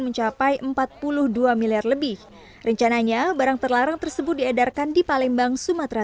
mencapai empat puluh dua miliar lebih rencananya barang terlarang tersebut diedarkan di palembang sumatera